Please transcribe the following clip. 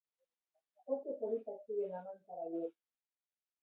Oso politak ziren amantal haiek.